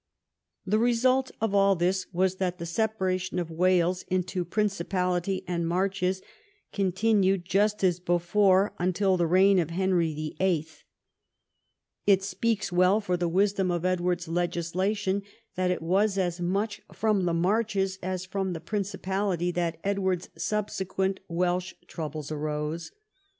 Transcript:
The result of all this was that the separation of Wales into Principality and Marches continued just as before until the reign of Henry VHI It speaks well for the wisdom of Edward's legislation that it was as much from the Marches as from the Principality that Edward's subsequent Welsh troubles arose.